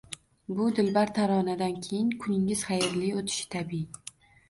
Bu dilbar taronadan keyin kuningiz xayrli oʻtishi tabiiy.